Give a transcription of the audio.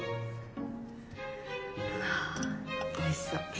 うわあおいしそう。